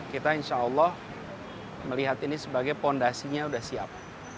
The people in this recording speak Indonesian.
kita insya allah melihat ini sebagai fondasinya sudah siap